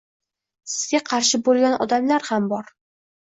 sizga qarshi bo‘lgan odamlar ham bor.